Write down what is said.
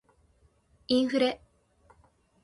インフレ